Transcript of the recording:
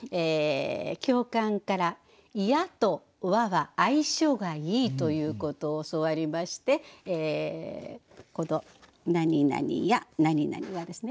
教官から「や」と「は」は相性がいいということを教わりましてこの何々「や」何々「は」ですね